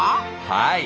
はい。